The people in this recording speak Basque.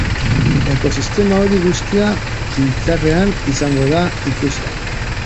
Ekosistema hori guztia biltzarrean izango da ikusgai.